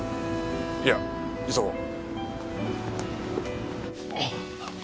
いや急ごう。